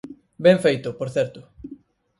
Ben feito, por certo.